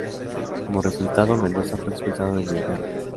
Como resultado, Mendoza fue expulsado de Inglaterra.